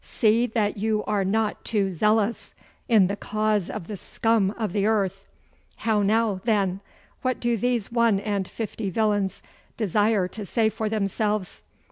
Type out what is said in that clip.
'See that you are not too zealous in the cause of the scum of the earth. How now, then? What do these one and fifty villains desire to say for themselves?